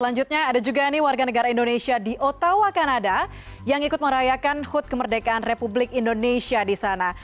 selanjutnya ada juga ini warga negara indonesia di ottawa kanada yang ikut merayakan hud kemerdekaan republik indonesia di sana